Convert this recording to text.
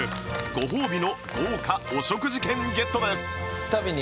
ご褒美の豪華お食事券ゲットです